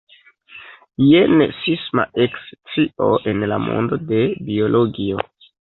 Jen sisma ekscio en la mondo de biologio.